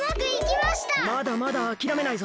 まだまだあきらめないぞ！